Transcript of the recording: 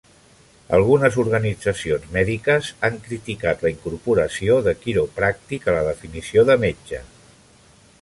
Algunes organitzacions mèdiques han criticat la incorporació de quiropràctic a la definició de metge.